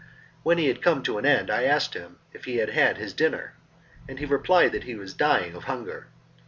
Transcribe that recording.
When he had come to an end I asked him if he had had his dinner, and he replied that he was dying of hunger.